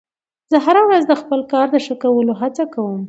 زه هره ورځ د خپل کار د ښه کولو هڅه کوم